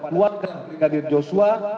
keluarga brigadir joshua